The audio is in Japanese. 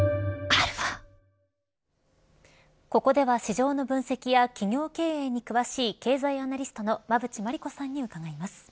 ここでは市場の分析や企業経営に詳しい経済アナリストの馬渕磨理子さんに伺います。